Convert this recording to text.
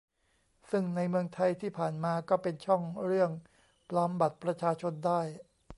ซึ่งในเมืองไทยที่ผ่านมาก็เป็นช่องเรื่องปลอมบัตรประชาชนได้